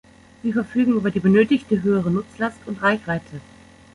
Sie verfügen über die benötigte höhere Nutzlast und Reichweite.